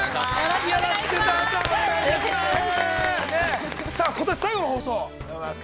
◆よろしくお願いします。